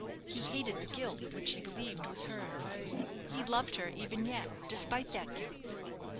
He hated the guilt which he believed was hers. He loved her even yet, despite that guilt.